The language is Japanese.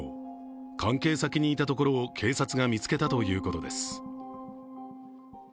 関係先にいたところを警察が見つけたということです。